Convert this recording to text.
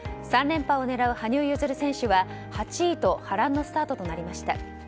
３連覇を狙う羽生結弦選手は８位と波乱のスタートとなりました。